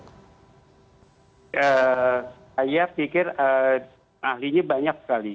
saya pikir ahlinya banyak sekali